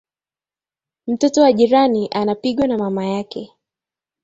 Mtoto wa jirani anapigwa na mama yake